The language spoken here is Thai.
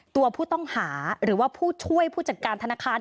ตัวผู้ต้องหาหรือว่าผู้ช่วยผู้จัดการธนาคาร